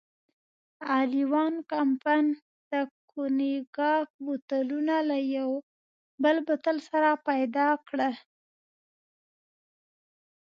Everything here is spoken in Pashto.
اغلې وان کمپن د کونیګاک بوتلونه له یو بل بوتل سره پيدا کړل.